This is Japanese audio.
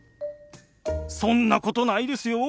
そんなことないですよ。